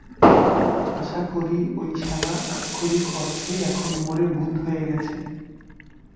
আশা করি, ওই শালা আক্ষরিক অর্থেই এখন মরে ভূত হয়ে গেছে!